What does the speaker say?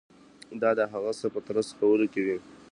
دا د هغه څه په ترسره کولو کې وي.